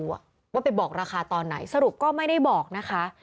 ว่าไปบอกราคาตอนไหนสรุปก็ไม่ได้บอกนะคะ